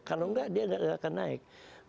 kalau enggak dia akan naik